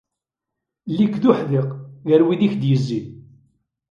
Ili-k d uḥdiq gar wid i k-d-yezzin.